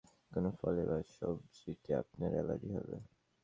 বাহির থেকে বুঝতে পারা যায় না যে কোন ফলে বা সবজিতে আপনার অ্যালার্জি হবে।